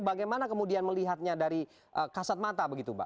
bagaimana kemudian melihatnya dari kasat mata begitu mbak